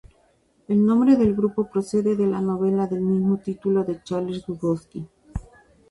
El nombre del grupo procede de la novela del mismo título de Charles Bukowski.